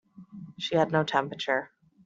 She had no temperature.